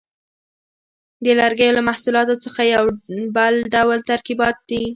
د لرګیو له محصولاتو څخه یو بل ډول ترکیبات دي.